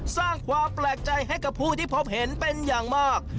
สร้างความแปลกใจให้กับผู้ที่พบเห็นเป็นอย่างมาก